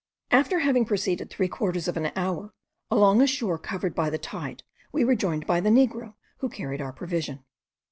After having proceeded three quarters of an hour along a shore covered by the tide we were joined by the negro, who carried our provision.